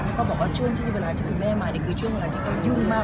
แล้วก็บอกว่าเวลาที่คุณแม่มาเนี่ยคือเวลาที่เขายุ่งมาก